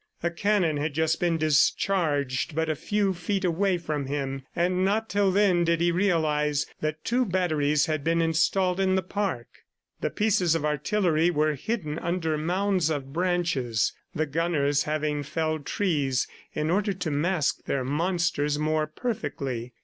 A cannon had just been discharged but a few feet away from him, and not till then did he realize that two batteries had been installed in the park. The pieces of artillery were hidden under mounds of branches, the gunners having felled trees in order to mask their monsters more perfectly.